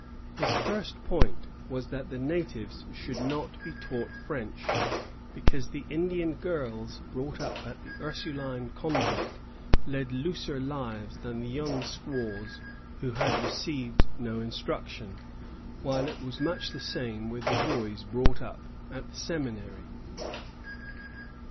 His first point was that the natives should not be taught French, because the Indian girls brought up at the Ursuline Convent led looser lives than the young squaws who had received no instruction, while it was much the same with the boys brought up at the Seminary.